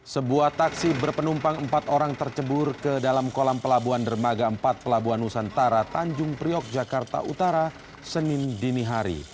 sebuah taksi berpenumpang empat orang tercebur ke dalam kolam pelabuhan dermaga empat pelabuhan nusantara tanjung priok jakarta utara senin dinihari